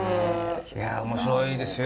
いや面白いですよ。